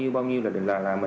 bao nhiêu là mình làm